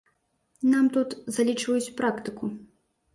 Нам тут залічваюць практыку.